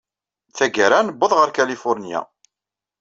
Tagara, newweḍ ɣer Kalifuṛnya.